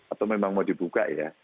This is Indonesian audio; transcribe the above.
atau memang mau dibuka ya